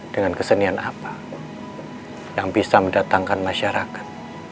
dengan kesenian apa yang bisa mendatangkan masyarakat